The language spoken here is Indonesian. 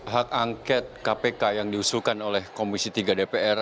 hak angket kpk yang diusulkan oleh komisi tiga dpr